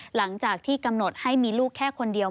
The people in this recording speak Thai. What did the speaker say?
หลังจากที่กำหนดให้มีลูกแค่คนเดียว